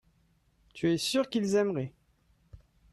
tu es sûr qu'ils aimeraient.